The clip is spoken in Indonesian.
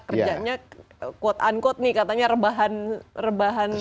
kerjanya quote unquote nih katanya rebahan